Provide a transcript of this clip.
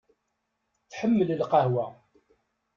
Tḥemmel lqahwa.